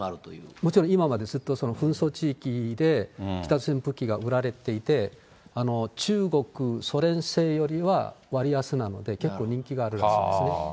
もちろん、今までずっと紛争地域で北の戦闘機が売られていて、中国、ソ連製よりは割安なので、結構人気があるらしいですね。